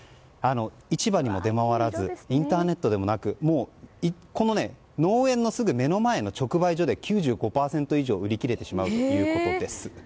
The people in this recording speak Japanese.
市場にも出回らずインターネットでもなく農園のすぐ目の前の直売所で９５％以上、売り切れてしまうということです。